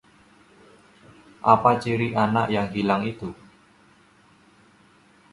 apa ciri anak yang hilang itu?